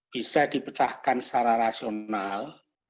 bisa dipecahkan secara rasional